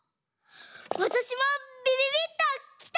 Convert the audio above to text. わたしもびびびっときた！